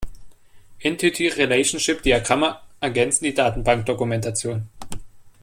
Entity-Relationship-Diagramme ergänzen die Datenbankdokumentation.